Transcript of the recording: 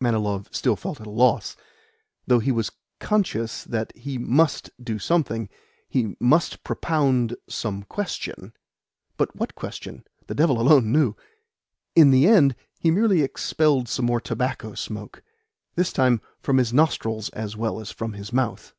Manilov still felt at a loss though he was conscious that he MUST do something, he MUST propound some question. But what question? The devil alone knew! In the end he merely expelled some more tobacco smoke this time from his nostrils as well as from his mouth.